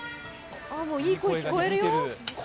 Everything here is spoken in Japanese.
いい声聞こえるよ。